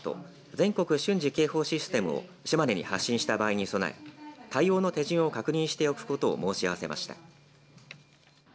全国瞬時警報システムを島根に発信した場合に備え対応の手順を確認しておくことを申し合わせました。